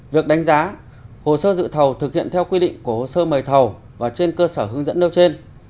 việc đánh giá hồ sơ dự thầu thực hiện theo quy định của hồ sơ mời thầu và trên cơ sở hướng dẫn nêu trên